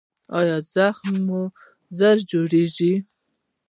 ایا زخم مو ژر جوړیږي؟